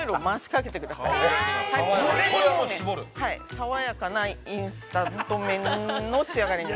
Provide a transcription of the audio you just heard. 爽やかなインスタント麺の仕上がりに。